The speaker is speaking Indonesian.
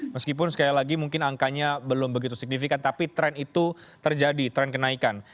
meskipun sekali lagi mungkin angkanya belum begitu signifikan tapi tren itu terjadi tren kenaikan